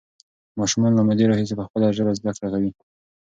ماشومان له مودې راهیسې په خپله ژبه زده کړه کوي.